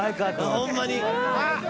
ホンマに。